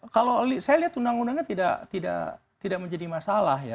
kalau saya lihat undang undangnya tidak menjadi masalah ya